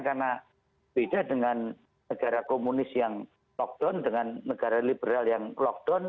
karena beda dengan negara komunis yang lockdown dengan negara liberal yang lockdown